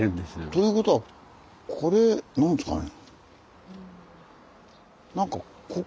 ということはこれ何ですかね。